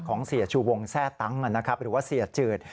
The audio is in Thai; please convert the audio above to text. ของเสียชูวงแทร่ตั้งหรือว่าเสียจืด